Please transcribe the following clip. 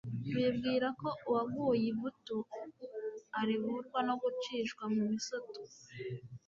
bibwira ko uwaguye ivutu arivurwa no gucishwa mu misoto